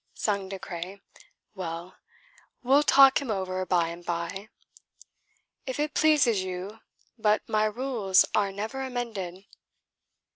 sung De Craye. "Well, we'll talk him over by and by." "If it pleases you; but my rules are never amended."